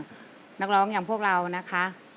ทุกคนนี้ก็ส่งเสียงเชียร์ทางบ้านก็เชียร์